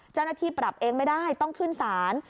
เจ้าหน้าที่ปรับเองไม่ได้ต้องขึ้นศาล